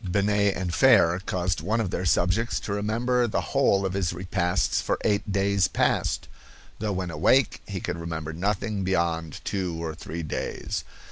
Binet and Fere caused one of their subjects to remember the whole of his repasts for eight days past, though when awake he could remember nothing beyond two or three days.